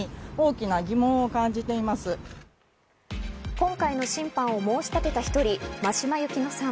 今回の審判を申し立てた一人、真島幸乃さん。